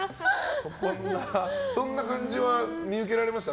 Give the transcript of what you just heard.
そんな感じは見受けられました？